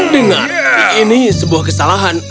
dengar ini sebuah kesalahan